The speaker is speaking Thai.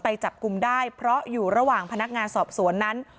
จับกลุ่มได้เพราะอยู่ระหว่างพนักงานสอบสวนนั้น